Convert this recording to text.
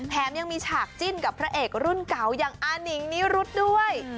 แถมยังมีฉากจิ้นกับพระเอกรุ่นเก่าอย่างอานิงนิรุธด้วย